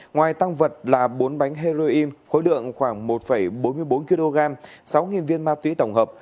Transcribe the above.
ngoài tăng vật là bốn bánh heroin khối lượng khoảng một bốn mươi bốn kg sáu viên ma túy tổng hợp